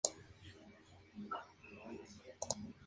Autobús de dos o más secciones tipo módulos.